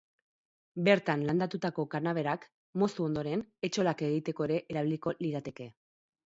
Bertan landatutako kanaberak, moztu ondoren, etxolak egiteko ere erabiliko lirateke.